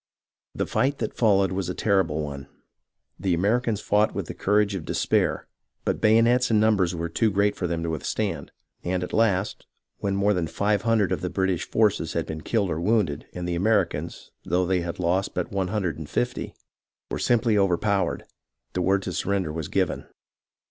The fight that followed was a terrible one. The Ameri cans fought with the courage of despair, but bayonets and numbers were too great for them to withstand, and at last, when more than five hundred of the British forces had been killed or wounded and the Americans, though they had lost but one hundred and fifty, were simply overpowered, the word to surrender was given.